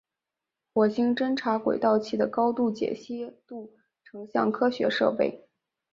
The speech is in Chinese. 火星侦察轨道器的高解析度成像科学设备。